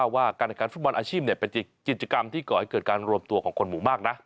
ว่าการแข่งขันฟุตบอลอาชีพเป็นกิจกรรมที่ก่อให้เกิดการรวมตัวของคนหมู่มากนะ